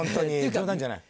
冗談じゃない。